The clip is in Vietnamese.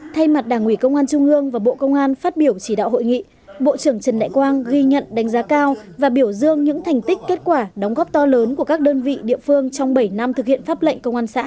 thay mặt đảng ủy công an trung ương và bộ công an phát biểu chỉ đạo hội nghị bộ trưởng trần đại quang ghi nhận đánh giá cao và biểu dương những thành tích kết quả đóng góp to lớn của các đơn vị địa phương trong bảy năm thực hiện pháp lệnh công an xã